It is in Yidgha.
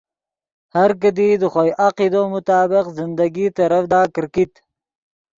ہر کیدی دے خوئے عقیدو مطابق زندگی ترڤدا کرکیت